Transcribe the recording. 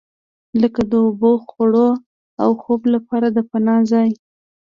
لکه د اوبو، خوړو او خوب لپاره د پناه ځای.